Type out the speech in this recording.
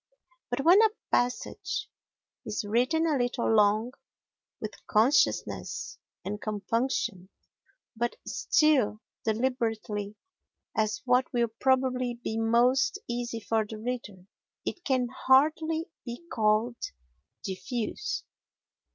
But when a passage is written a little long, with consciousness and compunction but still deliberately, as what will probably be most easy for the reader, it can hardly be called diffuse.